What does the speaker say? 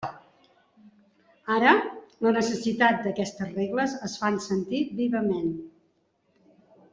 Ara, la necessitat d'aquestes regles es fa sentir vivament.